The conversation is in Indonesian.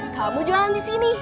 kamu jualan disini